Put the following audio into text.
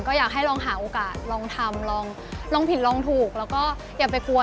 ก็อยากให้ลองลงดูทำดูค่ะ